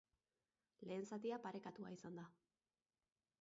Lehen zatia parekatua izan da.